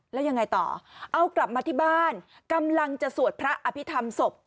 แล้วยังไงต่อเอากลับมาที่บ้านกำลังจะสวดพระอภิษฐรรมศพ